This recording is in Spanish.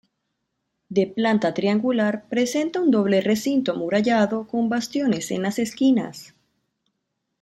De planta triangular, presenta un doble recinto amurallado con bastiones en las esquinas.